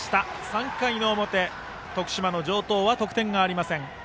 ３回の表、徳島の城東は得点がありません。